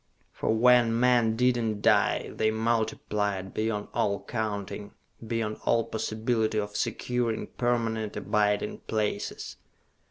] _For when men did not die, they multiplied beyond all counting, beyond all possibility of securing permanent abiding places.